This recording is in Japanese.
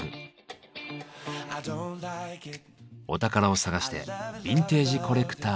お宝を探してビンテージコレクターのお宅へ。